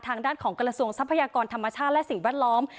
ทางด้านของกระทรวงทรัพยากรธรรมชาติและสิ่งแวดล้อม